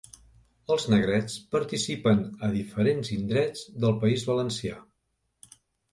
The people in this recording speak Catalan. Els negrets participen a diferents indrets del País Valencià.